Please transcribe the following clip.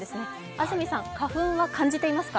安住さん花粉は感じていますか？